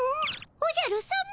おじゃるさま？